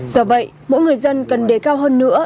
do vậy mỗi người dân cần đề cao hơn nữa